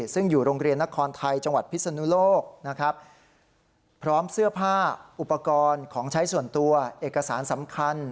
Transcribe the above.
ซึ่งอยู่โรงเรียนนครไทยจังหวัดพิศนุโลกนะครับพร้อมเสื้อผ้าอุปกรณ์ของใช้ส่วนตัวเอกสารสำคัญ